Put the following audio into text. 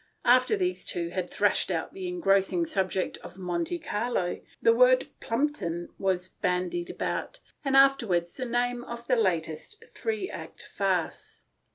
After these two had thrashed out the engrossing subject of their tubs, the word " Plumpton " was bandied about, and after ward the name of the latest three act farce.